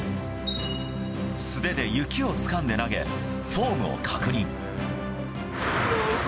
素手で雪をつかんで投げ、フォームを確認。